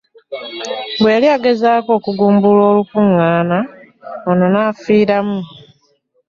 Bwe yali egezaako okugumbulula Olukuŋŋaana ono n'afiiramu